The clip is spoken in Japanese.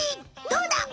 どうだ！？